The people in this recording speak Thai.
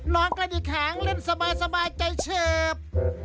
นอนใกล้ดีขางหล่นสบายใจเชิบ